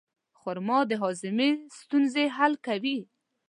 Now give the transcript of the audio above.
خرما د هاضمې ستونزې حل کوي.